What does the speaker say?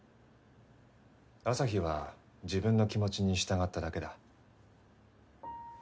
あさひは自分の気持ちに従っただけだ。